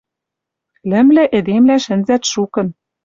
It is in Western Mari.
Лӹмлӹ эдемвлӓ шӹнзӓт шукын.